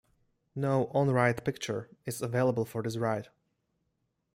No on-ride picture is available for this ride.